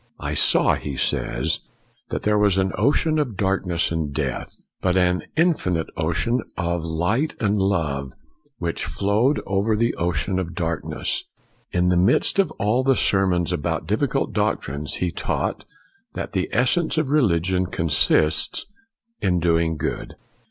" I saw,' 1 he says, " that there was an ocean of darkness and death; but an infinite ocean of light and love, which flowed over the ocean of darkness. " In the midst of all the sermons about difficult doctrines, he taught that the essence of religion consists in doing good.